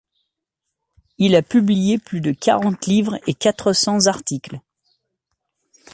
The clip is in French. Il a publié plus de quarante livres et quatre-cents articles.